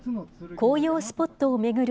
紅葉スポットを巡る